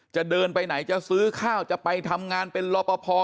จะเดินไปไหนจะซื้อข้าวจะไปทำงานเป็นรอปภ